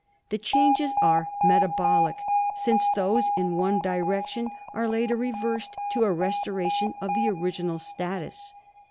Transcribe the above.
"(27) The changes are metabolic, since those in one direction are later reversed to a restoration of the original status.